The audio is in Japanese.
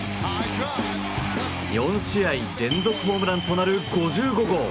４試合連続ホームランとなる５５号。